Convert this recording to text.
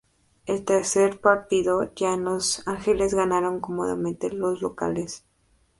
El tercer partido ya en Los Ángeles ganaron cómodamente los locales.